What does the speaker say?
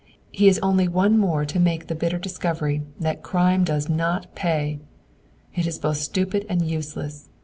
He is only one more to make the bitter discovery THAT CRIME DOES NOT PAY! It is both stupid and useless.